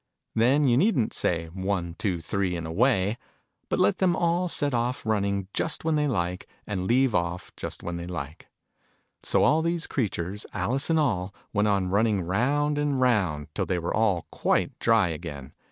Then, you needn't say " One, two, three, and away !" but let them all set off running just when they like, and leave off just when they like. So all these creatures, Alice and all, went on running round and round, till they were all quite dry again.